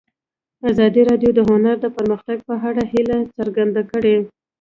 ازادي راډیو د هنر د پرمختګ په اړه هیله څرګنده کړې.